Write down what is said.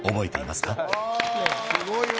すごいわ。